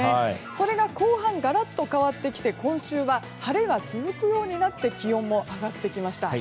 それが後半ガラッと変わってきて今週は晴れが続くようになって気温も上がってきました。